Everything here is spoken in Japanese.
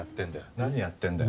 何やってんだよ。